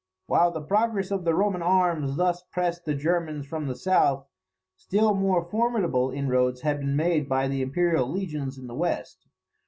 While the progress of the Roman arms thus pressed the Germans from the south, still more formidable inroads had been made by the Imperial legions in the west.